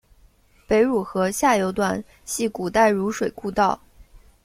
北汝河下游段系古代汝水故道。